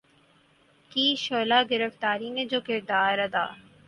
کی شعلہ گفتاری نے جو کردار ادا